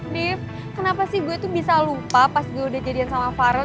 nif kenapa sih gue tuh bisa lupa pas gue udah jadian sama farol